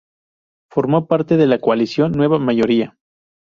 Formó parte de la coalición Nueva Mayoría.